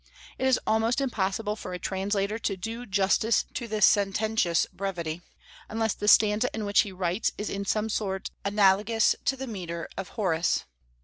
It is almost impossible for a translator to do justice to this sententious brevity unless the stanza in which he writes is in some sort analogous to the metre of Horace.